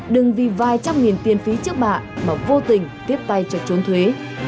đừng vì vài trăm nghìn tiền phí trước bạ mà vô tình tiếp tay cho trốn thuế